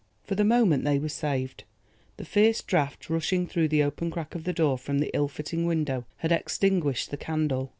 For the moment they were saved. The fierce draught rushing through the open crack of the door from the ill fitting window had extinguished the candle.